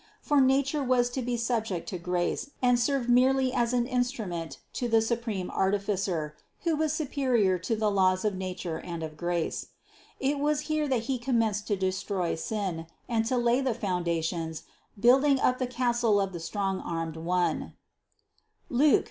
For nature was to be subject to grace and served merely as an in strument to the supreme Artificer, who is superior to the laws of nature and of grace It was here that He com menced to destroy sin, and to lay the foundations, build ing up the castle of the strong armed One (Luc.